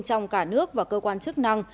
trong cả nước và cơ quan chức năng